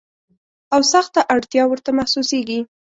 او سخته اړتیا ورته محسوسیږي.